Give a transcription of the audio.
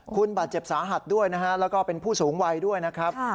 คุณบาดเจ็บสาหัสด้วยนะฮะแล้วก็เป็นผู้สูงวัยด้วยนะครับ